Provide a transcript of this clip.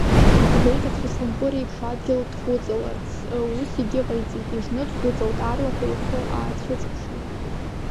Иӡбеит ацәыслампыр еиԥш адгьыл дхәыҵаларц, ус егьыҟаиҵеит, ижны дхәыҵалт, аарлаҳәа ихы аацәыҵыԥшуа.